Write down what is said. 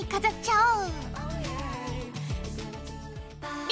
おう。